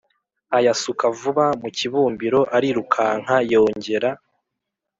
Ayasuka vuba mu kibumbiro arirukanka yongera